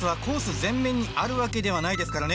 全面にあるわけではないですからね